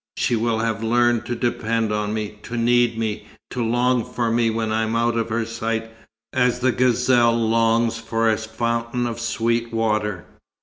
She will have learned to depend on me, to need me, to long for me when I am out of her sight, as the gazelle longs for a fountain of sweet water."